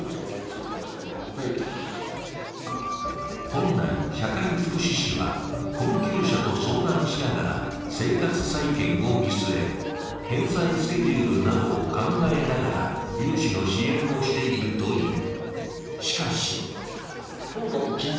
本来、社会福祉士は、困窮者と相談しながら生活再建を見据え、返済スケジュールなどを考えながら融資の支援をしているという。